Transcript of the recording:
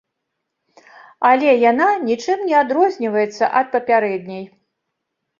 Але яна нічым не адрозніваецца ад папярэдняй.